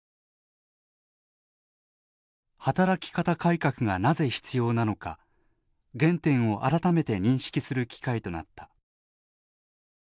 働き方改革がなぜ必要なのか原点を改めて認識する機会となった。